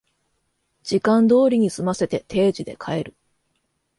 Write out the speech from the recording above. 時間通りに済ませて定時で帰る